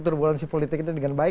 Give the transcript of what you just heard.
turbulensi politik ini dengan baik